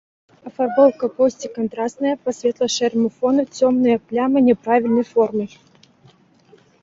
Афарбоўка поўсці кантрасная, па светла-шэраму фону цёмныя плямы няправільнай формы.